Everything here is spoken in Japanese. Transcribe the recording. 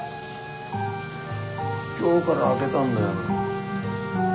今日から開けたんだよ。